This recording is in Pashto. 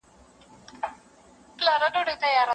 بس دا یوه شپه سره یوازي تر سبا به سو